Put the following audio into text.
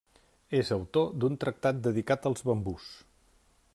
És autor d'un tractat dedicat als bambús.